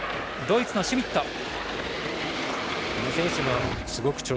ドイツのシュミット。